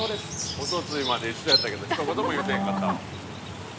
おとついまで一緒やったけどひと言も言うてへんかった。